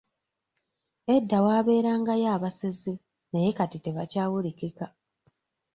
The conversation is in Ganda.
Edda waabeerangayo abasezi naye kati tebakyawulikika.